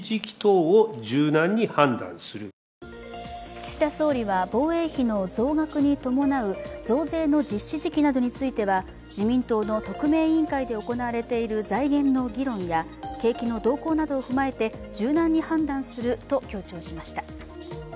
岸田総理は防衛費の増額に伴う増税の実施時期などについては自民党の特命委員会で行われている増税の議論や景気の動向などを踏まえて柔軟に判断すると強調しました。